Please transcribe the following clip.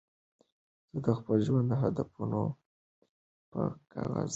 زه د خپل ژوند هدفونه په کاغذ لیکم.